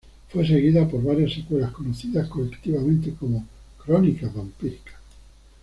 Fue seguida por varias secuelas, conocidas colectivamente como "Crónicas Vampíricas".